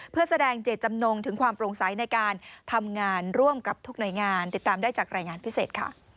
เพื่อแสดงเจตจำนงถึงความโปร่งใสในการทำงานร่วมกับทุกหน่วยงานติดตามได้จากรายงานพิเศษค่ะ